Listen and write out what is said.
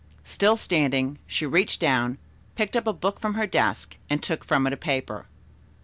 Still standing, she reached down, picked up a book from her desk and took from it a paper.